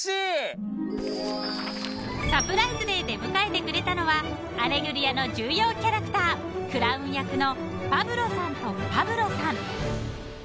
［サプライズで出迎えてくれたのは『アレグリア』の重要キャラクタークラウン役の］